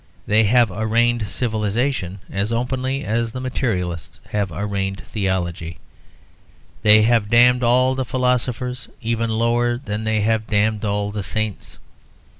They have arraigned civilisation as openly as the materialists have arraigned theology; they have damned all the philosophers even lower than they have damned the saints.